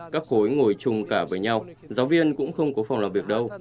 các khối ngồi chung cả với nhau giáo viên cũng không có phòng làm việc đâu